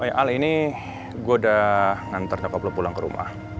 oh ya ali ini gue udah ngantar nyokap lo pulang ke rumah